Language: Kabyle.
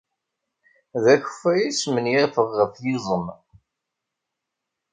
D akeffay ay smenyafeɣ ɣef yiẓem.